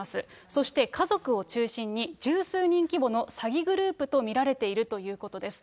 そして家族を中心に、十数人規模の詐欺グループと見られているということです。